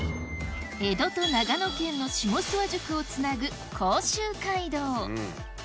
江戸と長野県の下諏訪宿をつなぐ甲州街道